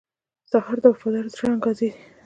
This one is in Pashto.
سهار د وفادار زړه انګازې دي.